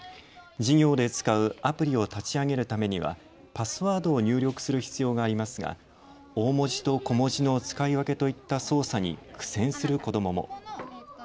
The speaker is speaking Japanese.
授業で使うアプリを立ち上げるためにはパスワードを入力する必要がありますが大文字と小文字の使い分けといった操作に苦戦する子どもも。